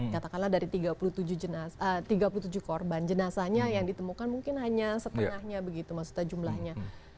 katakanlah dari tiga puluh tujuh korban jenazahnya yang ditemukan mungkin hanya setengahnya begitu maksudnya jumlahnya